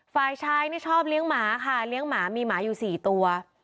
ฝ่ายชายนี่ชอบเลี้ยงหมาค่ะเลี้ยงหมามีหมาอยู่๔ตัว